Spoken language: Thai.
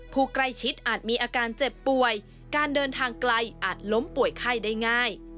ผู้ใกล้ชิดอาจมีอาการเจ็บป่วยการเดินทางไกลอาจล้มป่วยไข้ได้ง่าย